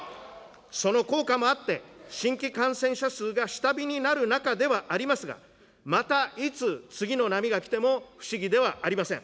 その効果もあって、新規感染者数が下火になる中ではありますが、またいつ、次の波が来ても不思議ではありません。